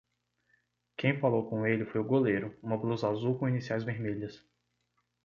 Quem falou com ele foi o goleiro, uma blusa azul com iniciais vermelhas.